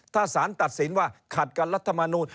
ถ้าสารตัดสินว่าขัดกับรัฐมนูล